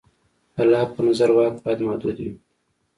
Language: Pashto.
د لاک په نظر واک باید محدود وي.